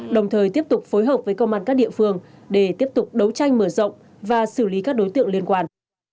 đồng thời tiếp tục phối hợp với công an các địa phương để tiếp tục đấu tranh mở rộng và xử lý các đối tượng liên quan